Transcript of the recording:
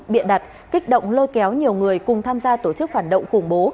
biện đặt kích động lôi kéo nhiều người cùng tham gia tổ chức phản động khủng bố